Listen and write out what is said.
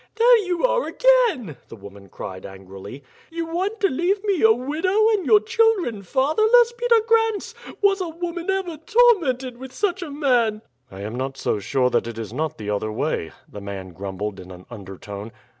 "There you are again," the woman cried angrily. "You want to leave me a widow, and your children fatherless, Peter Grantz. Was a woman ever tormented with such a man?" "I am not so sure that it is not the other way," the man grumbled in an undertone.